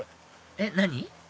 えっ何？